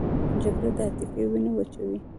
جګړه د عاطفې وینه وچوي